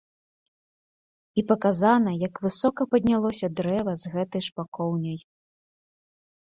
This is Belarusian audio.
І паказана, як высока паднялося дрэва з гэтай шпакоўняй.